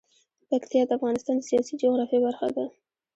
پکتیا د افغانستان د سیاسي جغرافیه برخه ده.